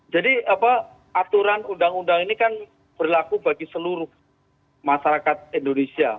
jadi apa aturan undang undang ini kan berlaku bagi seluruh masyarakat indonesia